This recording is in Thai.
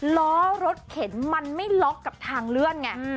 ล้อรถเข็นมันไม่ล็อกกับทางเลื่อนไง